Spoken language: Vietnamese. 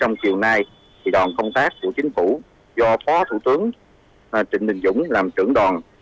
trong chiều nay đoàn công tác của chính phủ do phó thủ tướng trịnh đình dũng làm trưởng đoàn